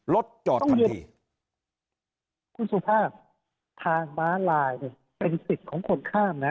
รถจอดเคลื่อนคุณสุภาพทางม้าลายเนี่ยเป็นสิทธิ์ของคนข้ามนะ